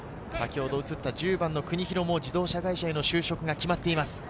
１０番・国広も自動車会社への就職が決まっています。